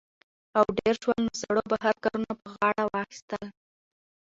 او ډېر شول؛ نو سړو بهر کارونه په غاړه واخىستل